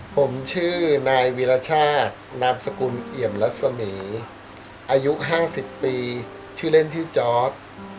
ผมชื่อนายวีรชาตินามสกุลเอี่ยมรัศมีอายุ๕๐ปีชื่อเล่นชื่อจอร์ด